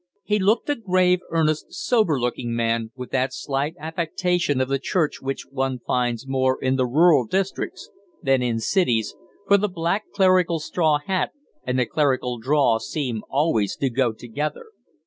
He looked a grave, earnest, sober living man, with that slight affectation of the Church which one finds more in the rural districts than in cities, for the black clerical straw hat and the clerical drawl seem always to go together.